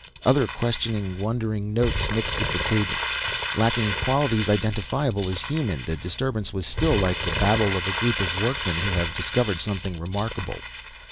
Other questioning, wondering notes mixed with the cadence. Lacking qualities identifiable as human, the disturbance was still like the babble of a group of workmen who have discovered something remarkable.